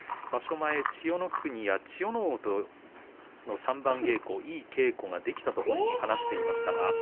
前、千代の国や千代ノ皇と三番稽古いい稽古ができたと本人は話していました。